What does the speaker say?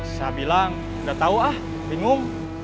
saya bilang udah tahu ah bingung